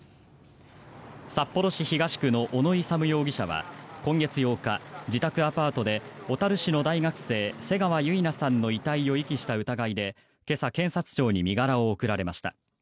札幌市東区の小野勇容疑者は今月８日自宅アパートで小樽市の大学生、瀬川結菜さんの遺体を遺棄した疑いで今朝、検察庁に身柄が送られました。